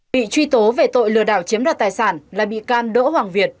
bị truy tố về tội lừa đảo chiếm đoạt tài sản là bị can đỗ hoàng việt